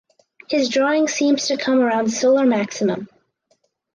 His drawing seems to come around solar maximum.